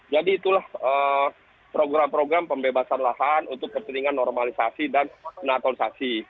jadi itulah program program pembebasan lahan untuk kepentingan normalisasi dan natalisasi